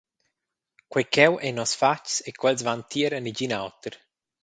Quei cheu ei nos fatgs e quels van tier a negin auter.»